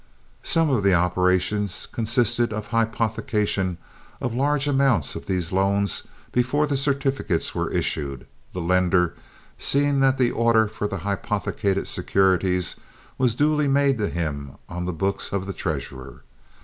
"Some of the operations consisted of hypothecation of large amounts of these loans before the certificates were issued, the lender seeing that the order for the hypothecated securities was duly made to him on the books of the treasurer.